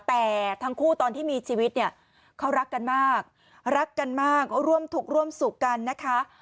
แต่ทั้งคู่ตอนที่มีชีวิตเนี่ยเขารักกันมากรักกันมากร่วมทุกข์ร่วมสุขกันนะคะ